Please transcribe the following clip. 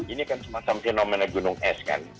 ini kan semacam fenomena gunung es kan